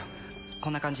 こんな感じ